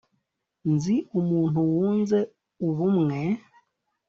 Nzi umuntu wunze ubumwe